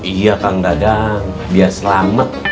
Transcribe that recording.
iya kang dadang biar selamat